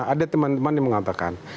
ada teman teman yang mengatakan